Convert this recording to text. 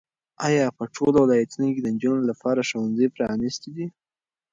ایا په ټولو ولایتونو کې د نجونو لپاره ښوونځي پرانیستي دي؟